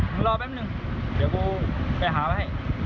มึงรอแป๊บนึงเดี๋ยวกูไปหาไว้